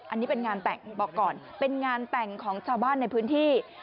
อันนี้เป็นงานแต่งบอกก่อนเป็นงานแต่งของชาวบ้านในพื้นที่